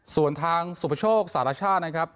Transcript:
ส่วนทางสุดประโชคศาสตร์รัชชาตินะครับ